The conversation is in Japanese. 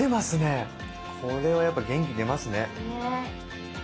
これはやっぱ元気出ますね。